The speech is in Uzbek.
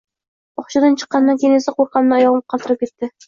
Bog`chadan chiqqanimdan keyin esa qo`rqqanimdan oyog`im qaltirab ketdi